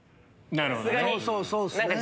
なるほどね。